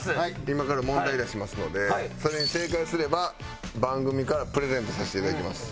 今から問題出しますのでそれに正解すれば番組からプレゼントさせていただきます。